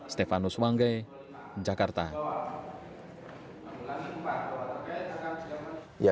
stefanus wangge jakarta